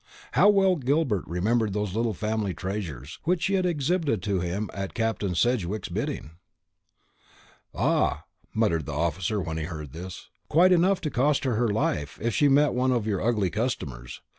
How well Gilbert remembered those little family treasures, which she had exhibited to him at Captain Sedgewick's bidding! "Ah," muttered the officer when he heard this, "quite enough to cost her her life, if she met with one of your ugly customers.